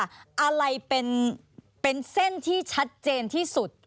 อะไรเป็นเส้นที่ชัดเจนที่สุด